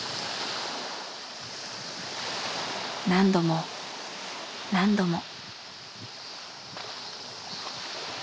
何度も何度も。